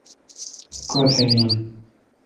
کو°تھہ ان